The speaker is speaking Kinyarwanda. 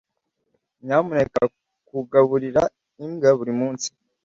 Nyamuneka kugaburira imbwa buri munsi.